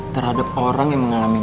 terhadap orang yang mengalami